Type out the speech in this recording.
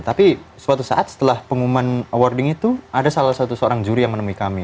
tapi suatu saat setelah pengumuman warding itu ada salah satu seorang juri yang menemui kami